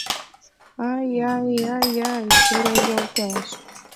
Ай-ай-ай-ай, Чорай йолташ!..